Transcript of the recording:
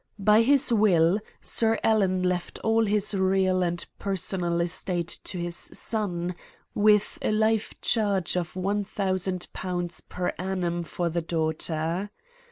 By his will, Sir Alan left all his real and personal estate to his son, with a life charge of £1,000 per annum for the daughter.